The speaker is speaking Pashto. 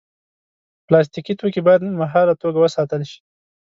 پلاستيکي توکي باید مهاله توګه وساتل شي.